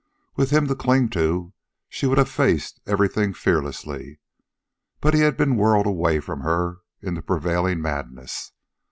With him to cling to she would have faced everything fearlessly. But he had been whirled away from her in the prevailing madness.